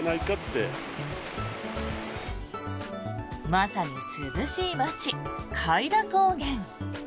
まさに、涼しい町・開田高原。